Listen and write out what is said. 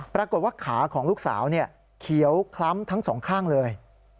ปรากฏว่าขาของลูกสาวเขียวคล้ำทั้งสองข้างเลย